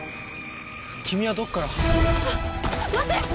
君はどこからあっ待って！